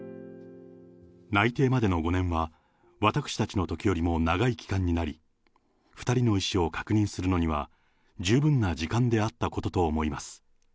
内定までの５年は、私たちのときよりも長い期間になり、２人の意思を確認するのには、十分な時間であったことと思います。